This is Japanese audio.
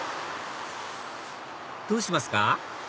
どうしますか？